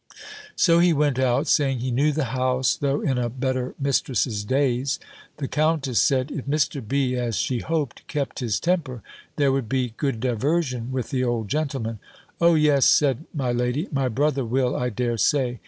So he went out, saying, he knew the house, though in a better mistress's days. The countess said, if Mr. B. as she hoped, kept his temper, there would be good diversion with the old gentleman. "O yes," said my lady, "my brother will, I dare say.